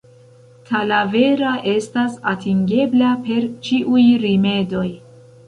Talavera estas atingebla per ĉiuj rimedoj.